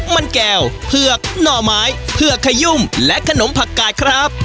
มันแก้วเผือกหน่อไม้เผือกขยุ่มและขนมผักกาดครับ